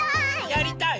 やりたい？